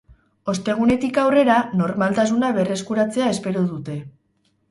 Ostegunetik aurrera, normaltasuna berreskuratzea espero dute.